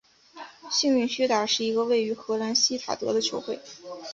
幸运薛达是一个位于荷兰锡塔德的球会。